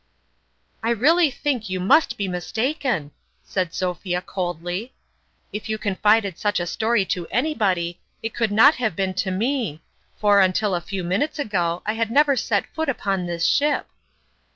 " I really think you must be mistaken," said Sophia coldly. " If you confided such a story to anybody, it could not have been to me ; for, until a few minutes ago, I had never set foot upon this ship."